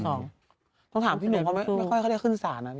ต้องถามพี่หนูว่าไม่ค่อยเขาได้ขึ้นสารอ่ะ